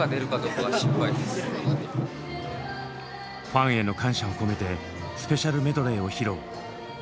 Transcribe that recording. ファンへの感謝を込めてスペシャルメドレーを披露。